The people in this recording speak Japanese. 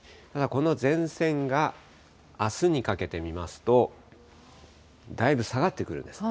この前線があすにかけて見ますと、だいぶ下がってくるんです。